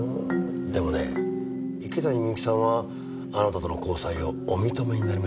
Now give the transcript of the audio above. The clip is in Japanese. でもね池谷美由紀さんはあなたとの交際をお認めになりましたよ。